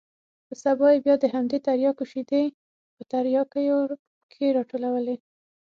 پر سبا يې بيا د همدې ترياکو شېدې په ترياكيو کښې راټولولې.